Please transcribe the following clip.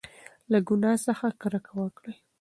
له ګناه څخه کرکه وکړئ.